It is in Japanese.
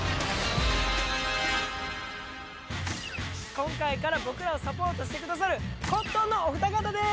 今回から僕らをサポートしてくださるコットンのお二方です！